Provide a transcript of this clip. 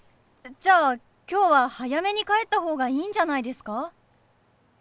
じゃあ今日は早めに帰った方がいいんじゃないですか？